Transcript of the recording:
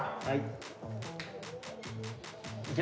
はい。